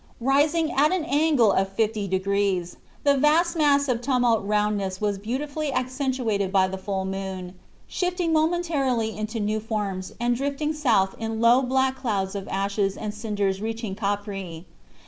Rising at an angle of fifty degrees, the vast mass of tumult roundness was beautifully accentuated by the full moon, shifting momentarily into new forms and drifting south in low, black clouds of ashes and cinders reaching to Capri.